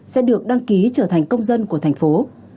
sẽ được đăng ký trở thành công dân của thành phố